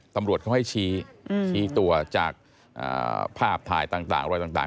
ตำรวจเขาให้ชี้ชี้ตัวจากภาพถ่ายต่างอะไรต่าง